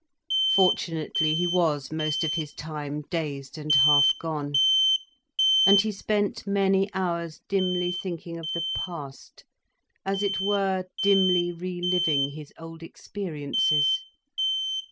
Fortunately he was most of his time dazed and half gone. And he spent many hours dimly thinking of the past, as it were, dimly re living his old experiences.